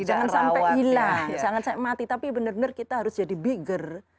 jangan sampai hilang sangat mati tapi benar benar kita harus jadi bigger